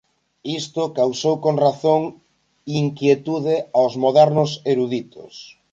Isto "causou con razón inquietude aos modernos eruditos".